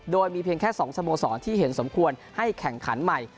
โดยมีเพียงแค่๒สโมสรที่เห็นสมควรให้แข่งขันใหม่